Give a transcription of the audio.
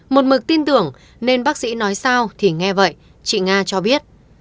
một mực tin tưởng nên bác sĩ nói sao thì nghe vậy chị nga cho biết